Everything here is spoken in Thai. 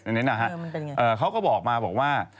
เพราะเนี่ยนะฮะเขาก็บอกมาว่า